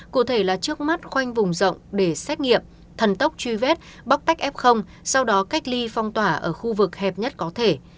cụ thể là trước mắt khoanh vùng rộng để xét nghiệm thần tốc truy vết bóc tách f sau đó cách ly phong tỏa ở khu vực hẹp nhất có thể